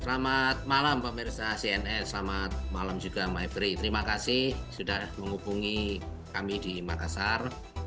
selamat malam pak merisa cnn selamat malam juga mbak ibrie terima kasih sudah menghubungi kami di makassar